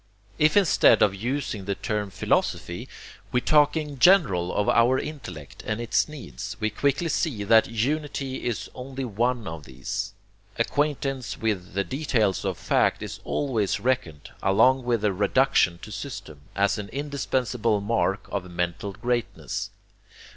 If instead of using the term philosophy, we talk in general of our intellect and its needs we quickly see that unity is only one of these. Acquaintance with the details of fact is always reckoned, along with their reduction to system, as an indispensable mark of mental greatness.